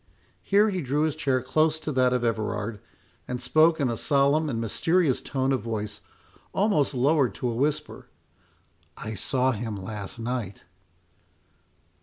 —Here he drew his chair close to that of Everard, and spoke in a solemn and mysterious tone of voice, almost lowered to a whisper—"I saw him last night."